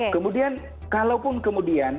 kemudian kemudian kemudian